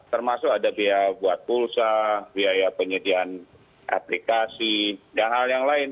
termasuk ada biaya buat pulsa biaya penyediaan aplikasi dan hal yang lain